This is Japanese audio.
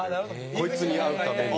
こいつに会うために。